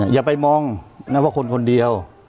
อย่าไปมองนะว่าคนคนเดียว